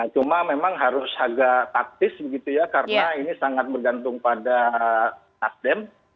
cuma memang harus agak taktis begitu ya karena ini sangat bergantung pada nasdem